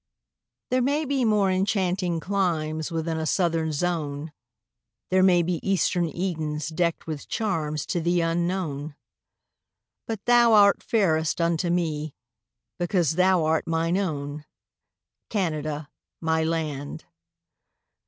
There may be more enchanting climes Within a southern zone; There may be eastern Edens deckt With charms to thee unknown; But thou art fairest unto me, Because thou art mine own, Canada, my land.